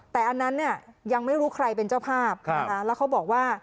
แต่อันนั้นเนี่ยยังไม่รู้ใครเป็นเจ้าภาพนะคะแล้วเขาบอกว่า